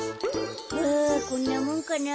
フこんなもんかな。